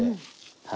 はい。